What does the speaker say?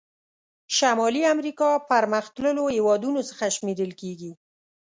شمالي امریکا پرمختللو هېوادونو څخه شمیرل کیږي.